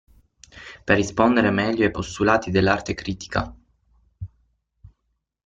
Per rispondere meglio ai postulati dell'arte critica.